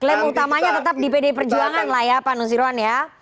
klaim utamanya tetap di pdi perjuangan lah ya pak nusirwan ya